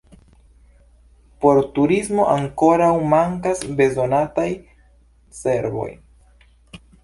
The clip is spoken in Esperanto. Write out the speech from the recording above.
Por turismo ankoraŭ mankas bezonataj servoj.